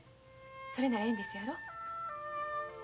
それならええんですやろ？